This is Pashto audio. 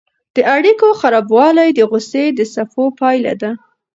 د اړیکو خرابوالی د غوسې د څپو پایله ده.